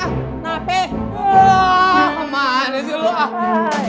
kapanan sih lu ah